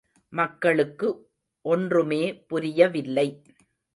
மக்களுக்கு ஒன்றுமே புரியவில்லை.